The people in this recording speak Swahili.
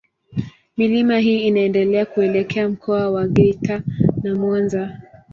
Milima hii inaendelea kuelekea Mkoa wa Geita na Mwanza.